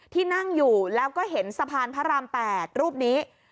ที่นั่งอยู่แล้วก็เห็นสะพานพระราม๘รูปนี้